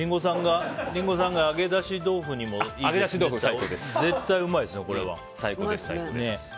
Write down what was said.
リンゴさんが揚げだし豆腐にもいいかもって言ってたけど絶対うまいですね、これは。